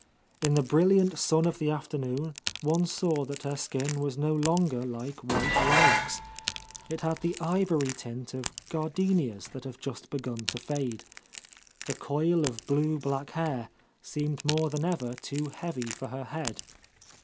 In the brilliant sun of the afternoon one saw that her skin was no longer like white lilacs, — it had the ivory tint of gardenias that have just begun to fade. The coil of blue black hair seemed more than ever too heavy for her head.